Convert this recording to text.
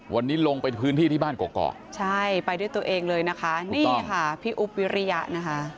วันนี้ลงไปพื้นที่ที่บ้านเกาะใช่ไปด้วยตัวเองเลยนะคะนี่ค่ะพี่อุ๊บวิริยะนะคะ